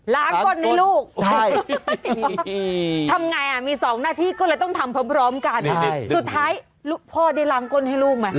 ก้นให้ลูกทำไงอ่ะมีสองหน้าที่ก็เลยต้องทำพร้อมกันสุดท้ายพ่อได้ล้างก้นให้ลูกไหม